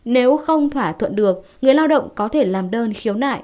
nếu không thỏa thuận được người lao động có thể làm đơn khiếu nại